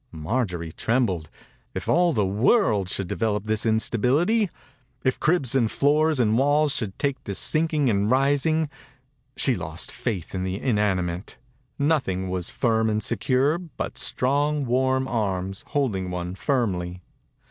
Marjorie trembled. If all the world should develop this instability ! If cribs and floors and walls should take to sinking and rising. She lost faith in the inanimate. Nothing was firm and secure but strong, warm arms, holding one firmly.